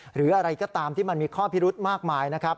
หรืออะไรก็ตามที่มันมีข้อพิรุธมากมายนะครับ